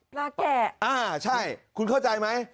แกะอ่าใช่คุณเข้าใจไหม